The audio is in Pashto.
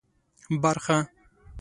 برخه